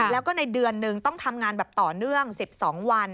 แล้วก็ในเดือนนึงต้องทำงานแบบต่อเนื่อง๑๒วัน